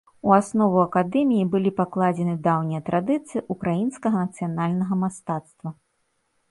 У аснову акадэміі былі пакладзены даўнія традыцыі ўкраінскага нацыянальнага мастацтва.